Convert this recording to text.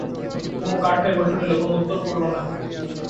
কুমু কাঠ হয়ে বসে রইল, কোনো উত্তর করলে না।